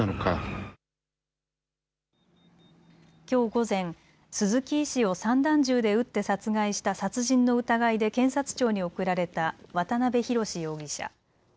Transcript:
きょう午前、鈴木医師を散弾銃で撃って殺害した殺人の疑いで検察庁に送られた渡邊宏容疑者。